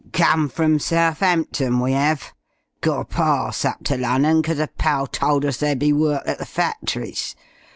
"Come from Southampton, we 'ave. Got a parss up to Lunnon, 'cause a pal told us there'd be work at the factories.